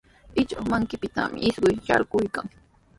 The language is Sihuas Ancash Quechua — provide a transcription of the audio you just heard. Ichuq makinpitami isquy yarquykan.